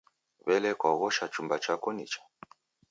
W'ele, kwaoghosha chumba chako nicha?